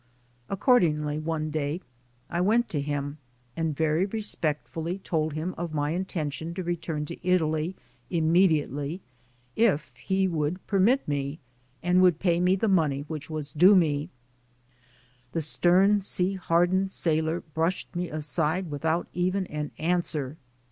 Accordingly, one day I went to him and very respectfully told him of my inten tion to return to Italy immediately if he would per mit me, and would pay me the money which was due me. The stern, sea hardened sailor brushed me aside without even an answer.